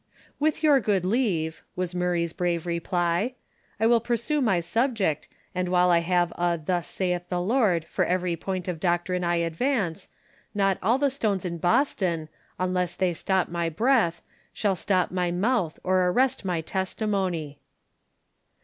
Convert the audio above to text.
" With your good leave," was Murray's brave reply, " I will pursue my sub ject, and while I have a 'Thus saith the Lord' for every point of doctrine I advance, not all the stones in Boston, unless they stop my breath, shall stop my mouth or arrest my testimony."